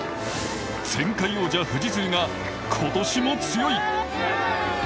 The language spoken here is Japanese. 前回王者・富士通が今年も強い。